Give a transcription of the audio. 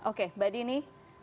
oke mbak dini